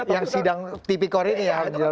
yang sidang tipikore ini ya menjelaskan